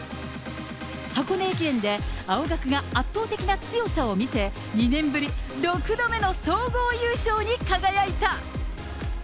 箱根駅伝で青学が圧倒的な強さを見せ、２年ぶり６度目の総合優勝に輝いた。